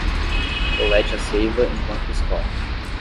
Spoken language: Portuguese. Colete a seiva enquanto escorre